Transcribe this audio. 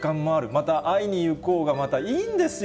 また、会いにいこうが、またいいんですよ。